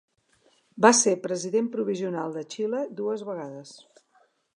Va ser president provisional de Xile dues vegades.